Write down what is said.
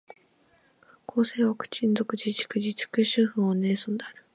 広西チワン族自治区の自治区首府は南寧である